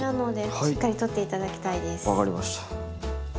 分かりました。